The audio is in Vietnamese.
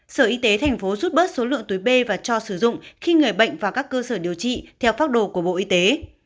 sở y tế thành phố rút bớt số lượng túi b và cho sử dụng khi người bệnh vào các cơ sở điều trị theo pháp đồ của bộ y tế